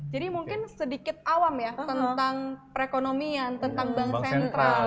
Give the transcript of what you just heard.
jadi mungkin sedikit awam ya tentang perekonomian tentang bank sentral